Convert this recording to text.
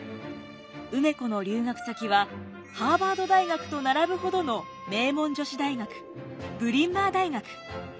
梅子の留学先はハーバード大学と並ぶほどの名門女子大学ブリンマー大学。